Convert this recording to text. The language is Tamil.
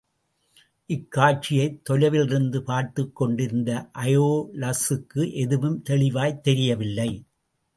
இக்காட்சியைத் தொலைவிலிருந்து பார்த்துக் கொண்டிருந்த அயோலஸுக்கு எதுவும் தெளிவாய்த் தெரியவில்லை.